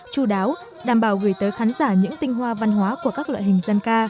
chú đáo đảm bảo gửi tới khán giả những tinh hoa văn hóa của các loại hình dân ca